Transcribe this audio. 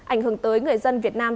ảnh hưởng tới người dân việt nam